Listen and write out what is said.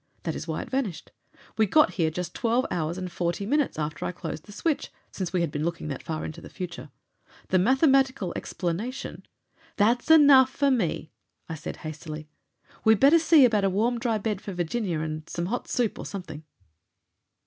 That is why it vanished. We got here just twelve hours and forty minutes after I closed the switch, since we had been looking that far into the future. The mathematical explanation " "That's enough for me!" I said hastily. "We better see about a warm, dry bed for Virginia, and some hot soup or something."